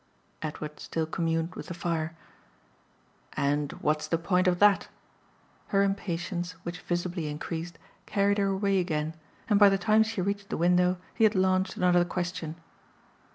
Edward still communed with the fire. "And what's the point of THAT?" Her impatience, which visibly increased, carried her away again, and by the time she reached the window he had launched another question.